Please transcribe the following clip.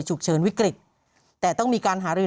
ฉุกเฉินวิกฤตแต่ต้องมีการหารือ